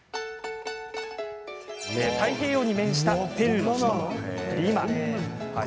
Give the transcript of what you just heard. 太平洋に面したペルーの首都リマ。